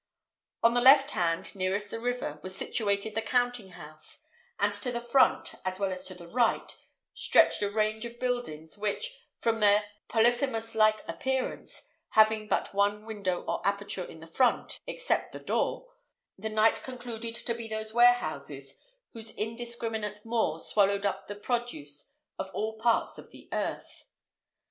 On the left hand, nearest the river, was situated the counting house; and to the front, as well as to the right, stretched a range of buildings which, from their Polyphemus like appearance, having but one window or aperture in the front (except the door), the knight concluded to be those warehouses whose indiscriminate maw swallowed up the produce of all parts of the earth.